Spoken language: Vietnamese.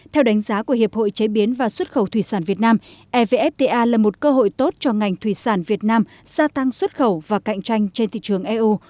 theo đánh giá của hiệp hội chế biến và xuất khẩu thủy sản việt nam evfta là một cơ hội tốt cho ngành thủy sản việt nam gia tăng xuất khẩu và cạnh tranh trên thị trường eu